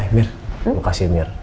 eh mir makasih mir